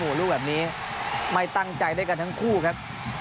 โอ้โหลูกแบบนี้ไม่ตั้งใจด้วยกันทั้งคู่ครับ